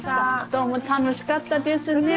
どうも楽しかったですね。